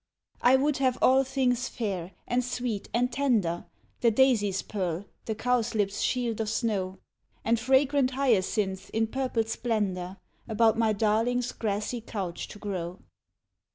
I would have all things fair, and sweet, and tender, The daisy's pearl, the cowslip's shield of snow, And fragrant hyacinths in purple splendour, About my darling's grassy couch to grow.